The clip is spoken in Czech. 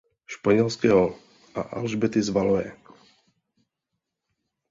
Španělského a Alžběty z Valois.